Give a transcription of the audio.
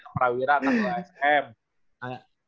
ke perawiran atau ke asm